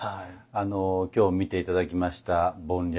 今日見て頂きました盆略